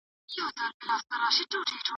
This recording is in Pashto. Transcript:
که انځورګري وي نو هنر نه مري.